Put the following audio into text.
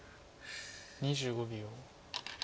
２５秒。